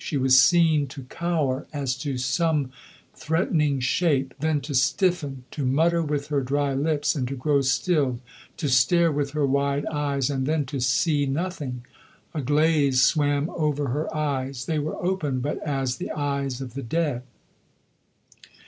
She was seen to cower as to some threatening shape, then to stiffen, to mutter with her dry lips, and to grow still, to stare with her wide eyes, and then to see nothing. A glaze swam over her eyes; they were open, but as the eyes of the dead.